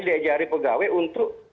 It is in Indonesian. dari pegawai untuk